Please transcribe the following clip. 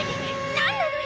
何なのよ！